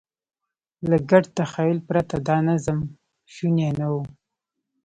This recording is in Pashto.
له ګډ تخیل پرته دا نظم شونی نه و.